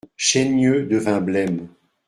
Chaigneux devint blême.